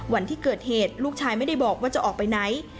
วันที่เกิดเหตุลูกชายไม่ได้บอกว่าจะออกไปไหน